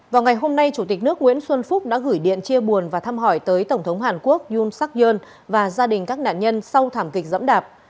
vào ngày hôm nay chủ tịch nước nguyễn xuân phúc đã gửi điện chia buồn và thăm hỏi tới tổng thống hàn quốc yun sắc yoon và gia đình các nạn nhân sau thảm kịch dẫm đạp